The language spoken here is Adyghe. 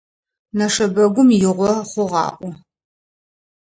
Нэшэбэгум игъо хъугъаӀо.